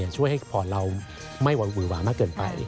ช่วยให้พรเราไม่หือหวามากเกินไป